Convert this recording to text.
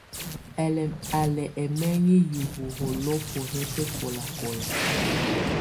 Á lɛ́ ɛmɛŋɛ hiwǝ́, yolobo yɛ́ bɛ́kɔlakɔla.